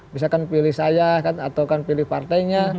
misalkan pilih saya atau kan pilih partainya